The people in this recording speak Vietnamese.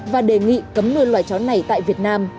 và đề nghị cấm nuôi loài chó này tại việt nam